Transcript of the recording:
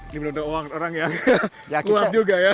ini menurut orang yang luar juga ya